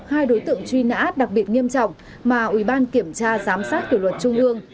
hai đối tượng truy nã đặc biệt nghiêm trọng mà ủy ban kiểm tra giám sát kỷ luật trung ương